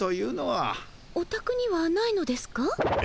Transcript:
おたくにはないのですか？